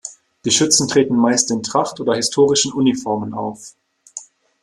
Die Schützen treten meist in Tracht oder historischen Uniformen auf.